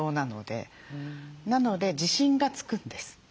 なので自信がつくんです。